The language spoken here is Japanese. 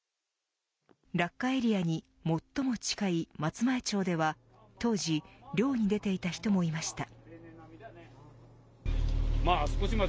落下エリアに最も近い松前町では当時漁に出ていた人もいました。